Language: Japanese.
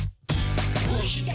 「どうして？